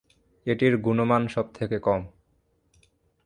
এটির গুণমান সব থেকে কম।